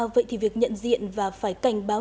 vậy thì việc nhận diện và phải cảnh báo